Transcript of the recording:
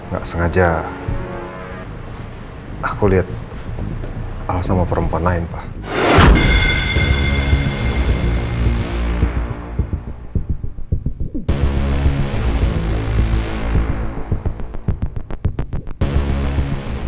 gak sengaja aku liat al sama perempuan lain pak